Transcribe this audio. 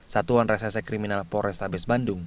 satuan resese kriminal pores tabes bandung